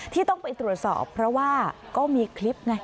ที่ต้องไปตรวจสอบเพราะว่าก็มีคลิปไง